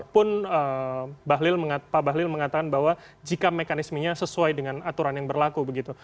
pun pak bahlil mengatakan bahwa jika mekanismenya sesuai dengan aturan yang berlaku begitu